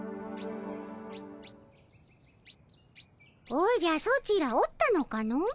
おじゃソチらおったのかの。